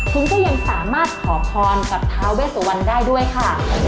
คุณก็ยังสามารถขอพรกับทาเวสวรรณได้ด้วยค่ะ